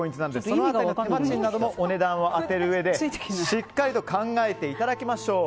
その辺りの手間賃などもお値段を当てるうえでしっかりと考えていただきましょう。